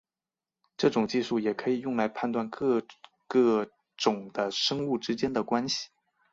这种技术也可以用来判断各个种的生物之间的关系。